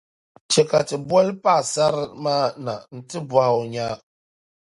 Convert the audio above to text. Chɛ ka ti boli paɣisarili maa na nti bɔhi o nya.